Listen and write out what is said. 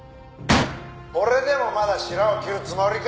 「これでもまだしらを切るつもりか？